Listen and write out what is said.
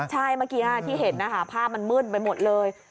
ใช่เมื่อกี้ที่เห็นนะคะภาพมันมืดไปหมดเลย